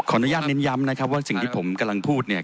อนุญาตเน้นย้ำนะครับว่าสิ่งที่ผมกำลังพูดเนี่ย